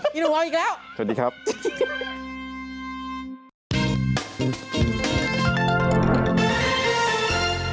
นี่หนูพร้อมอีกแล้วสวัสดีครับจริง